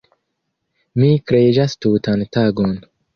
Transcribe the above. Mi preĝas tutan tagon.